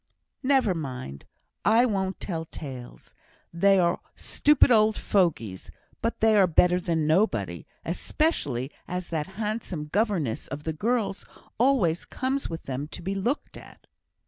"Never mind! I won't tell tales. They are stupid old fogeys, but they are better than nobody, especially as that handsome governess of the girls always comes with them to be looked at."